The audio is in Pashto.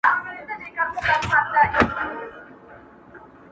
اوړی تېر سو لا غنم مو نه پخېږي,